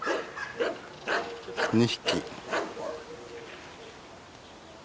２匹。